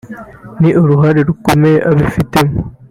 n’uruhare rukomeye abifitemo